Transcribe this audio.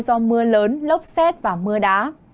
do mưa lớn lốc xét và mưa đá